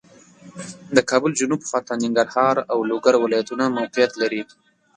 د کابل جنوب خواته ننګرهار او لوګر ولایتونه موقعیت لري